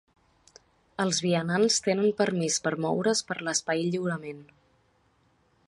Els vianants tenen permís per moure's per l'espai lliurement.